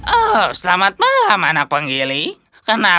oh selamat malam anak penghiling kenapa kau menangis